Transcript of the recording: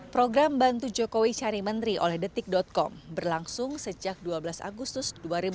program bantu jokowi cari menteri oleh detik com berlangsung sejak dua belas agustus dua ribu dua puluh